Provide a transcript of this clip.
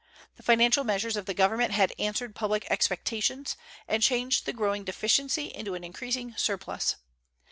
The financial measures of the government had answered public expectations, and changed the growing deficiency into an increasing surplus.